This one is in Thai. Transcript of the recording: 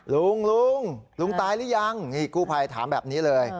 ลุงลุงตายหรือยังนี่กู้ภัยถามแบบนี้เลย